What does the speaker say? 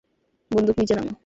বন্দুক নিচে নামা।